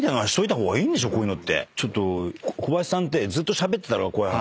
ちょっとコバヤシさんってずっとしゃべってたろ怖い話。